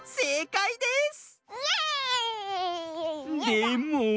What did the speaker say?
でも。